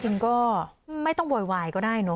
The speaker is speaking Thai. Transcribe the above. จริงก็ไม่ต้องโวยวายก็ได้เนอ